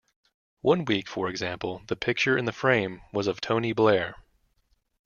One week, for example, the picture in the frame was of Tony Blair.